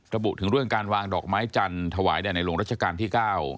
ระบุถึงเรื่องการวางดอกไม้จันทร์ถวายแด่ในหลวงรัชกาลที่๙